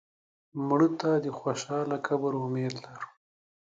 مړه ته د خوشاله قبر امید لرو